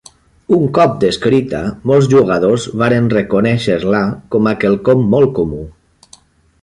Un cop descrita, molts jugadors varen reconèixer-la com a quelcom molt comú.